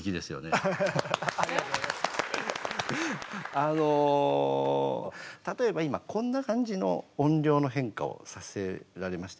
あの例えば今こんな感じの音量の変化をさせられましたよね。